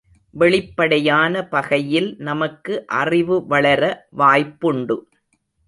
வெளிப்படையான பகையில் நமக்கு அறிவு வளர வாய்ப்புண்டு.